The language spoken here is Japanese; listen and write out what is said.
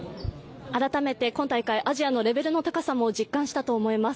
改めて今大会、アジアのレベルの高さも実感したと思います。